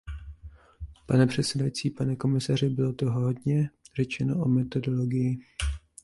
Pane předsedající, pane komisaři, bylo toho hodně řečeno o metodologii.